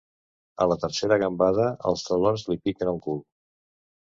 A la tercera gambada els talons li piquen al cul.